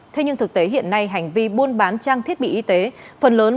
thế nhưng thực tế hiện nay hành vi buôn bán trang thiết bị y tế phần lớn